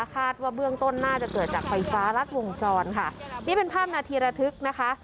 คาดว่าเบื้องต้นน่าจะเกิดจากไฟฟ้ารัดวงจรค่ะนี่เป็นภาพนาทีระทึกนะคะ